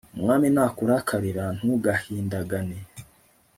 umwami nakurakarira, ntugahindagane